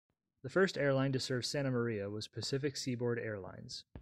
The first airline to serve Santa Maria was Pacific Seaboard Air Lines.